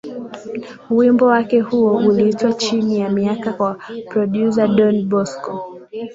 Wimbo wake huo uliitwa Chini ya Miaka kwa prodyuza Don Bosco